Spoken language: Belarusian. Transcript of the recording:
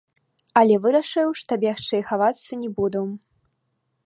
Але вырашыў, што бегчы і хавацца не буду.